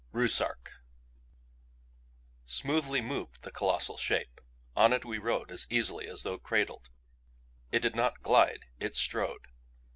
RUSZARK Smoothly moved the colossal shape; on it we rode as easily as though cradled. It did not glide it strode.